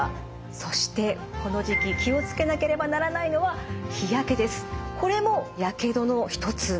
そしてこの時期気を付けなければならないのはこれもやけどの一つなんですよ。